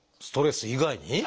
ストレス以外に？